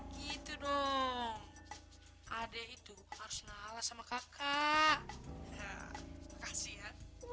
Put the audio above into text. gitu dong ada itu harus nahala sama kakak ya kasih ya